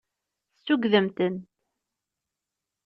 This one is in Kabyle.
Tessugdem-tent.